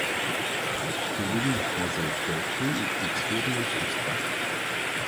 — Ще видим — казал Келчо и подсвирнал с уста.